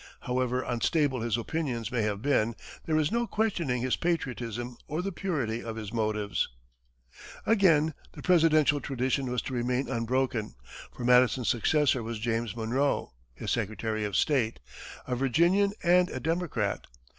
However unstable his opinions may have been, there is no questioning his patriotism or the purity of his motives. Again the presidential tradition was to remain unbroken, for Madison's successor was James Monroe, his secretary of state, a Virginian and a Democrat.